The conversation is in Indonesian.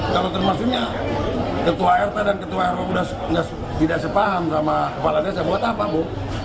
kalau termasuknya ketua rt dan ketua rw sudah tidak sepaham sama kepala desa buat apa bu